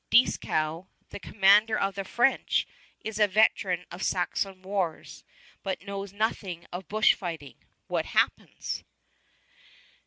Dieskau, the commander of the French, is a veteran of Saxon wars, but knows nothing of bushfighting. What happens?